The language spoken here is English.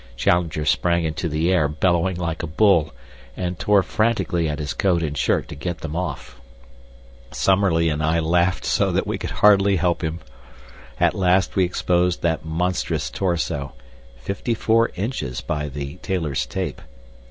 Challenger sprang into the air bellowing like a bull, and tore frantically at his coat and shirt to get them off. Summerlee and I laughed so that we could hardly help him. At last we exposed that monstrous torso (fifty four inches, by the tailor's tape).